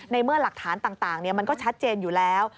เมื่อหลักฐานต่างมันก็ชัดเจนอยู่แล้ว